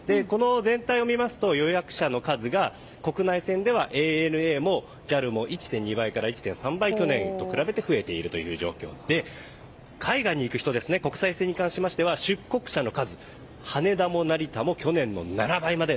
全体を見ますと予約者の数が国内線ではＡＮＡもＪＡＬも１．２倍から１．３倍去年と比べて増えている状況で国際線に関しては、出国者の数成田も羽田も去年の７倍の数だと。